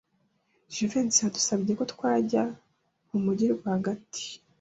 Jivency yadusabye ko twajya mu mujyi rwagati.